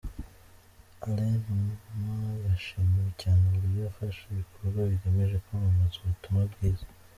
Alain Numa yashimiwe cyane uburyo afasha ibikorwa bigamije kwamamaza ubutumwa bwiza.